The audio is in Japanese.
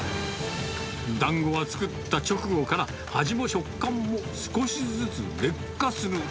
だんごは作った直後から、味も食感も少しずつ劣化する。